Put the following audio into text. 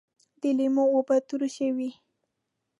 د لیمو اوبه ترشی وي